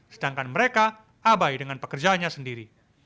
sedangkan mereka abai dengan pekerjaannya sendiri